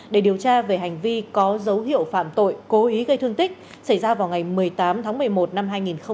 để điều tra về hành vi có dấu hiệu phạm tội cố ý gây thương tích xảy ra vào ngày một mươi tám tháng một mươi một năm hai nghìn một mươi ba